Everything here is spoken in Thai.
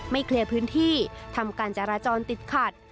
เคลียร์พื้นที่ทำการจราจรติดขัด